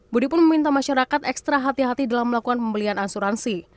budi pun meminta masyarakat ekstra hati hati dalam melakukan pembelian asuransi